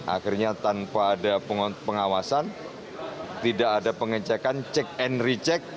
akhirnya tanpa ada pengawasan tidak ada pengecekan cek and recheck